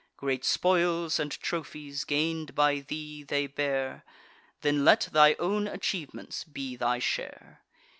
Great spoils and trophies, gain'd by thee, they bear: Then let thy own achievements be thy share.